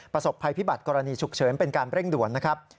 ประสบภัยพิบัติกรณีฉุกเฉินเป็นการเร่งด่วนนะครับ